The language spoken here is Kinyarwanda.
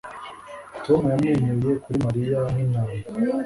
Tom yamwenyuye kuri Mariya nkintama